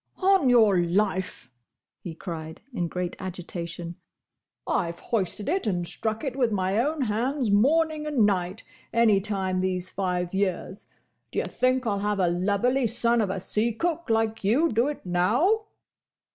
"On your life!" he cried, in great agitation. "I've hoisted it and struck it with my own hands, morning and night, any time these five years. D' ye think I'll have a lubberly son of a sea cook like you do it now?"